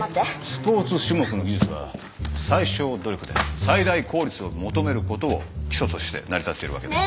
スポーツ種目の技術は最小努力で最大効率を求めることを基礎として成り立ってるわけで。